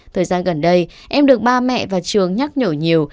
thời gian gần đây em được ba mẹ và trường nhắc nhở nhiều